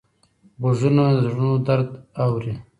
غوږونه د زړونو درد اوري